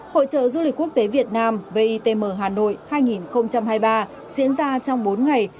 hội trợ du lịch quốc tế việt nam vitm hà nội hai nghìn hai mươi ba diễn ra trong bốn ngày